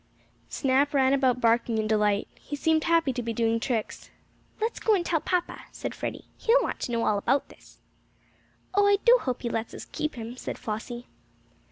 Snap ran about barking in delight. He seemed happy to be doing tricks. "Let's go tell papa," said Freddie. "He'll want to know about this." "Oh, I do hope he lets us keep him," said Flossie.